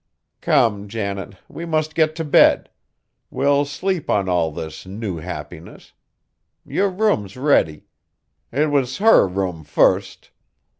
"Come, Janet, we must get t' bed. We'll sleep on all this new happiness. Yer room's ready; 't was her room fust.